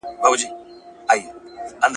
مولي څېړنه سیستماتیکه او سمه پلټنه ګڼي.